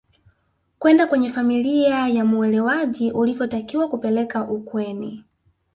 kwenda kwenye familia ya muolewaji ulivyotakiwa kupeleka ukweni